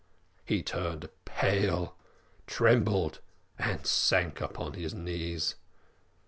"He turned pale, trembled, and sank upon his knees.